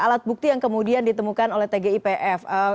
alat bukti yang kemudian ditemukan oleh tgipf